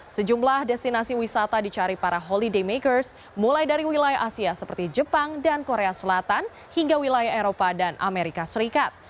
sejumlah destinasi wisata dicari para holiday makers mulai dari wilayah asia seperti jepang dan korea selatan hingga wilayah eropa dan amerika serikat